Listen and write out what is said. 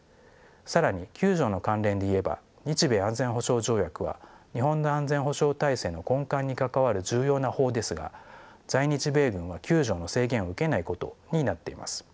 更に九条の関連で言えば日米安全保障条約は日本の安全保障体制の根幹に関わる重要な法ですが在日米軍は九条の制限を受けないことになっています。